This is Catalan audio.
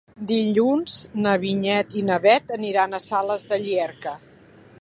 Dilluns na Vinyet i na Bet aniran a Sales de Llierca.